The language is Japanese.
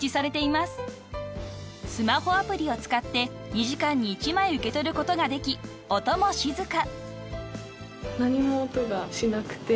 ［スマホアプリを使って２時間に１枚受け取ることができ音も静か］